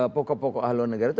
pokok pokok halilandara itu